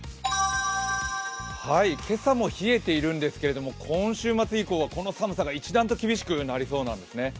今朝も冷えているんですけれども、今週末以降はこの寒さが一段と厳しくなりそうなんですね。